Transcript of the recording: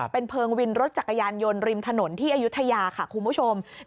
เป็นเพลิงวินรถจักรยานยนต์ริมถนนที่อายุทยาค่ะคุณผู้ชม